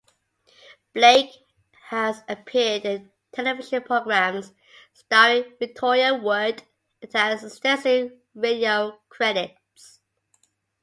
Blake has appeared in television programmes starring Victoria Wood and has extensive radio credits.